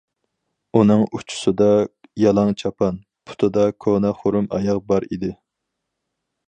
ئۇنىڭ ئۇچىسىدا يالاڭ چاپان، پۇتىدا كونا خۇرۇم ئاياغ بار ئىدى.